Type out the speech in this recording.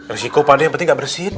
risiko pak d yang penting nggak bersihin